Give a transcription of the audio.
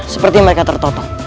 seperti mereka tertotong